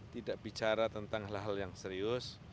tidak bicara tentang hal hal yang serius